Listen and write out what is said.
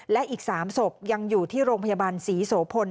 และอีก๓ศพยังอยู่ที่โรงพยาบาลศรีโสพล